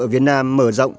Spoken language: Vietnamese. ở việt nam mở rộng